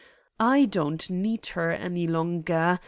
I don't need her any longer.